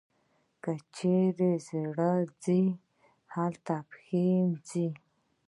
چیري چي زړه ځي، هلته پښې ځي.